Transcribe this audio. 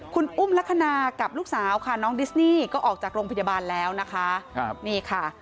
คุณอุ้มลักษณะกับลูกสาวค่ะน้องดิสนี่ก็ออกจากโรงพยาบาลแล้วนะคะนี่ค่ะ